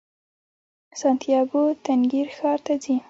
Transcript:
سانتیاګو تنګیر ښار ته ځي.